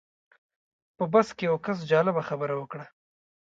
په بس کې یو کس جالبه خبره وکړه.